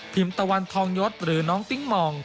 ตะวันทองยศหรือน้องติ๊งมอง